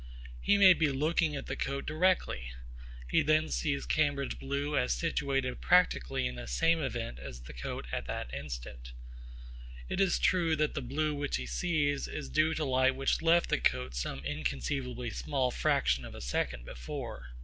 He may be looking at the coat directly. He then sees Cambridge blue as situated practically in the same event as the coat at that instant. It is true that the blue which he sees is due to light which left the coat some inconceivably small fraction of a second before.